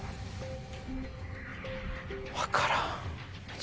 分からん。